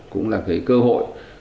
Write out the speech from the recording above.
cũng là cơ hội